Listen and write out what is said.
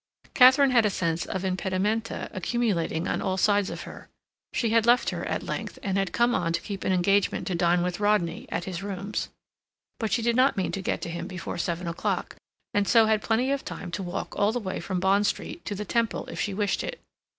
Katharine had a sense of impedimenta accumulating on all sides of her. She had left her at length, and had come on to keep an engagement to dine with Rodney at his rooms. But she did not mean to get to him before seven o'clock, and so had plenty of time to walk all the way from Bond Street to the Temple if she wished it.